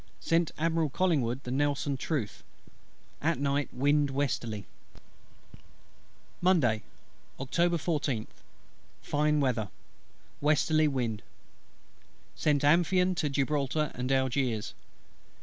Sent Admiral COLLINGWOOD the Nelson truth. At night wind westerly. Monday, Oct. 14th. Fine weather: westerly wind. Sent Amphion to Gibraltar and Algiers.